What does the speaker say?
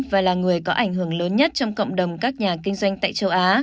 và là người có ảnh hưởng lớn nhất trong cộng đồng các nhà kinh doanh tại châu á